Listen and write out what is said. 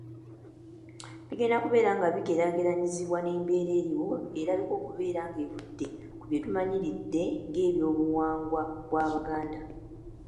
Bigenda kubeera nga bigeraageranyizibwa n’embeera eriwo erabika okubeera ng’evudde ku byetumanyiridde ng’ebyobuwangwa bw’Abaganda.